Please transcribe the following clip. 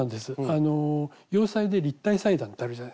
あの洋裁で立体裁断ってあるじゃないですか。